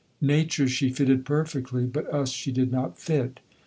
Nature she fitted perfectly, but us she did not fit.